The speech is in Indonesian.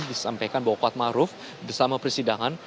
disampaikan bahwa kuat maruf bersama persidangan